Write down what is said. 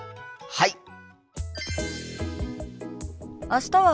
はい！